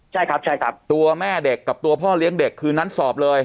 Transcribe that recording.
ใช่ครับใช่ครับตัวแม่เด็กกับตัวพ่อเลี้ยงเด็กคืนนั้นสอบเลย